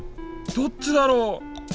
どっちだろう？